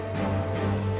bentar aku panggilnya